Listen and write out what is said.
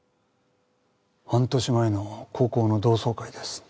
半年前の高校の同窓会です。